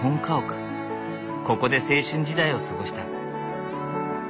ここで青春時代を過ごした。